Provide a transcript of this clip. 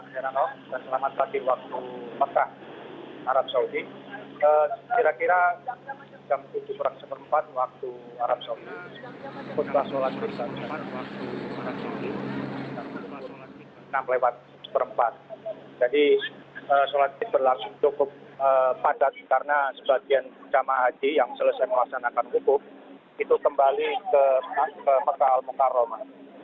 jadi sholat id berlangsung cukup padat karena sebagian jemaah haji yang selesai melaksanakan khutbah itu kembali ke mekah al mekah roma